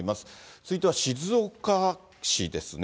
続いては静岡市ですね。